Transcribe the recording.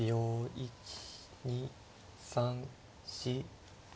１２３４５６７。